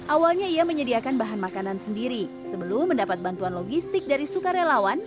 awalnya ia menyediakan bahan makanan sendiri sebelum mendapat bantuan logistik dari sukarelawan